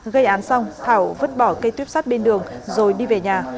gây án xong thảo vứt bỏ cây tuyếp sát bên đường rồi đi về nhà